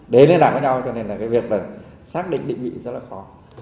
đến liên lạc với nhau cho nên việc xác định định vị rất là khó